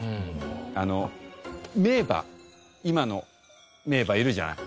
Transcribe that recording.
あの名馬今の名馬いるじゃない？